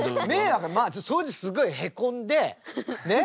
まあそれですごいへこんでねっそれでもう。